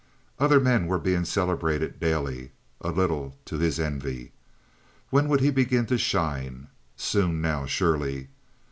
Other men were being celebrated daily, a little to his envy. When would he begin to shine? Soon, now, surely.